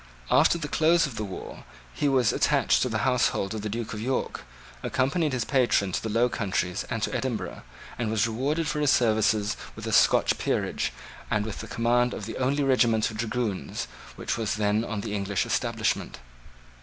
After the close of the war he was attached to the household of the Duke of York, accompanied his patron to the Low Countries and to Edinburgh, and was rewarded for his services with a Scotch peerage and with the command of the only regiment of dragoons which was then on the English establishment.